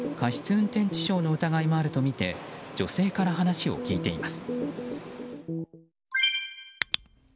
運転致傷の疑いもあるとみて女性から話を聞いています。